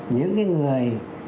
những cái người